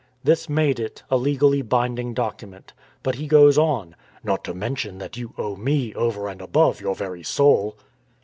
" This made it a legally binding document. But he goes on, " Not to mention that you owe me, over and above, your very soul